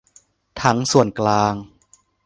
ทั้งส่วนกลาง